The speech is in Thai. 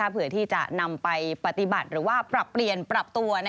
เพื่อที่จะนำไปปฏิบัติหรือว่าปรับเปลี่ยนปรับตัว